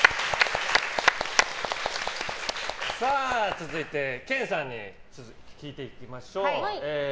続いて、研さんに聞いていきましょう。